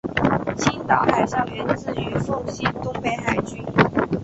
青岛海校源自于奉系东北海军。